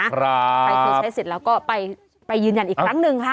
ใครเคยใช้สิทธิ์แล้วก็ไปยืนยันอีกครั้งหนึ่งค่ะ